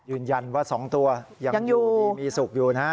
ยืนยันว่า๒ตัวยังอยู่ดีมีสุขอยู่นะฮะ